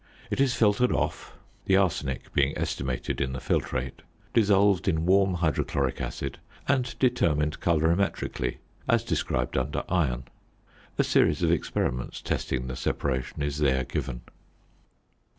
It is filtered off (the arsenic being estimated in the filtrate), dissolved in warm hydrochloric acid, and determined colorimetrically as described under Iron. A series of experiments testing the separation is there given.